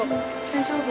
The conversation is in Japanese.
大丈夫？